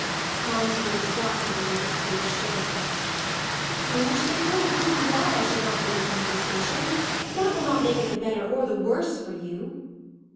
Tom's voice dropped a little of its fierce shade. "But, Hamish, there's no reason why I should not meet them at the station. That will not make it the better or the worse for you."